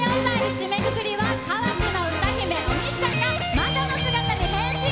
締めくくりは河内の歌姫、おみっちゃんが魔女の姿に変身！